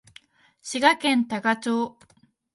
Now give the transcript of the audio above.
滋賀県多賀町